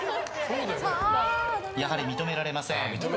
やはり認められません。